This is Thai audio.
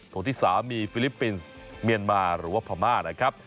โถ๓มีฟิลิปปินส์เมียนมาร์หรือว่าภามาะนะครับ